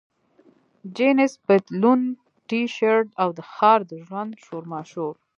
جینس پتلون، ټي شرټ، او د ښار د ژوند شورماشور.